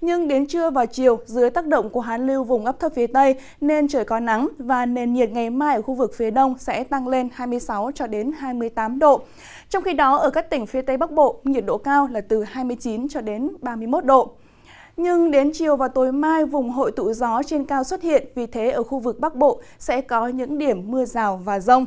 nhưng đến chiều và tối mai vùng hội tụ gió trên cao xuất hiện vì thế ở khu vực bắc bộ sẽ có những điểm mưa rào và rông